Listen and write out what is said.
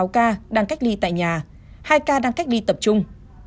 hai sáu trăm bốn mươi sáu ca đang cách ly tại nhà hai ca đang cách ly tập trung